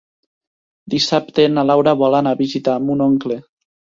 Dissabte na Laura vol anar a visitar mon oncle.